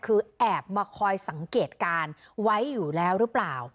คือแอบมาคอยสังเกตการณ์ไว้อยู่แล้วหรือเปล่า